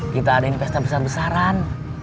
kita adain pesta besar besaran